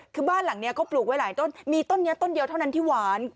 คือบ้านหลังนี้เขาปลูกไว้หลายต้นมีต้นนี้ต้นเดียวเท่านั้นที่หวาน